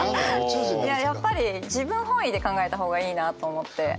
いややっぱり自分本位で考えた方がいいなと思って。